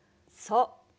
そう。